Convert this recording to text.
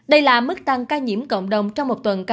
đây là mức tăng ca nhiễm cộng đồng trong một tuần cao nhất